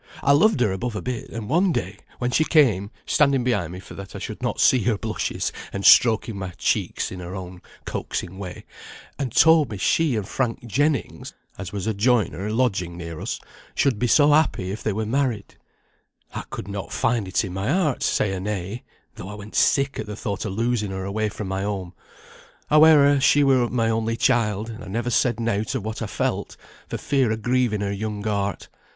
I loved her above a bit, and one day when she came (standing behind me for that I should not see her blushes, and stroking my cheeks in her own coaxing way), and told me she and Frank Jennings (as was a joiner lodging near us) should be so happy if they were married, I could not find in my heart t' say her nay, though I went sick at the thought of losing her away from my home. Howe'er, she were my only child, and I never said nought of what I felt, for fear o' grieving her young heart.